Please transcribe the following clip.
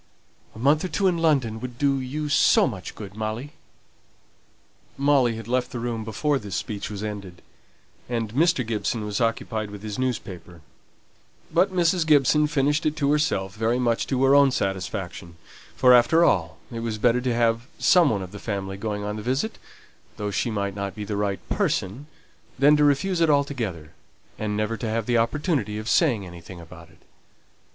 A month or two in London would do you so much good, Molly." Molly had left the room before this speech was ended, and Mr. Gibson was occupied with his newspaper; but Mrs. Gibson finished it to herself very much to her own satisfaction; for, after all, it was better to have some one of the family going on the visit, though she might not be the right person, than to refuse it altogether, and never to have the opportunity of saying anything about it.